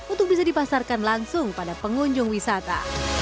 untuk bisa dipasarkan langsung pada pengunjung wisata